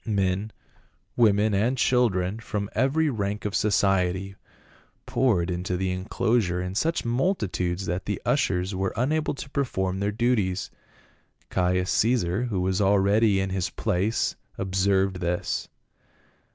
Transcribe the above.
Men, women and children, from every rank of society poured into the enclosure in such multitudes that the ushers were unable to perform their duties. Caius Caesar, who was already in his place observed this.